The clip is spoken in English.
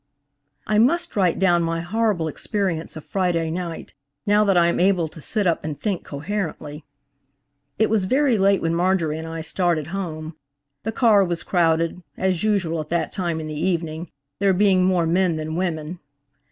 I MUST write down my horrible experience of Friday night, now that I am able to sit up and think coherently. It was very late when Marjorie and I started home. The car was crowded, as usual at that time in the evening, there being more men than women.